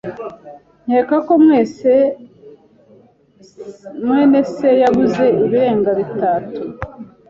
Nkeka ko mwene se yaguze ibirenga bitatu.